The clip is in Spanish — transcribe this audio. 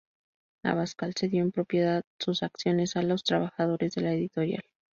Abascal cedió en propiedad sus acciones a los trabajadores de la editorial.